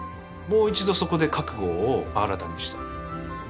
もう一度そこで覚悟を新たにした。